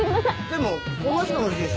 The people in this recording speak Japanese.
でもこの人の住所